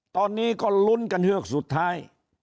ตอนนี้ก็ลุ้นกันเฮือกสุดท้าย